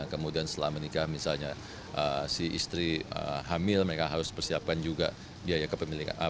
kemudian setelah menikah misalnya si istri hamil mereka harus persiapkan juga biaya kepemilikan